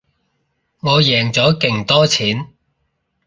我贏咗勁多錢